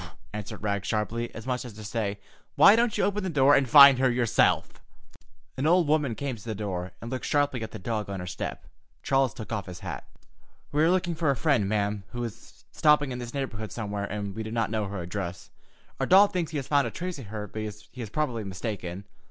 "Bow wow!" answered Rags sharply, as much as to say, "Why don't you open the door and find her yourself?" An old woman came to the door, and looked sharply at the dog on her clean step. Charles took off his hat. "We are looking for a friend, madam, who is stopping in this neighborhood somewhere, and we do not know her address. Our dog thinks he has found a trace of her, but he is probably mistaken.